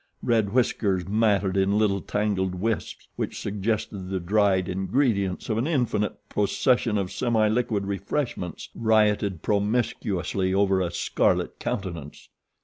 Red whiskers, matted in little tangled wisps which suggested the dried ingredients of an infinite procession of semi liquid refreshments, rioted promiscuously over a scarlet countenance.